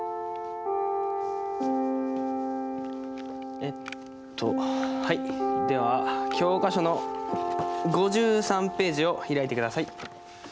えっとはいでは教科書の５３ページを開いて下さい。